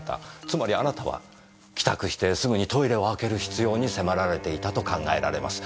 つまりあなたは帰宅してすぐにトイレを開ける必要に迫られていたと考えられます。